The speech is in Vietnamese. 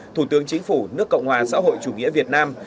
thủ tướng chính phủ nước cộng hòa xã hội chủ nghĩa việt nam